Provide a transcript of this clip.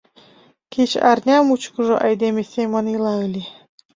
Кеч арня мучкыжо айдеме семын ила ыле.